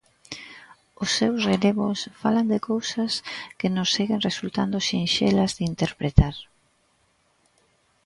Os seus relevos falan de cousas que nos seguen resultando sinxelas de interpretar.